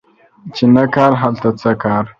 چی نه کار، هلته څه کار